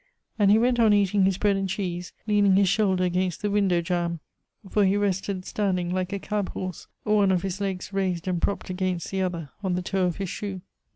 And he went on eating his bread and cheese, leaning his shoulder against the window jamb; for he rested standing like a cab horse, one of his legs raised and propped against the other, on the toe of his shoe.